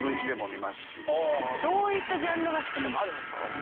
どういったジャンルが好きとかあるんですか？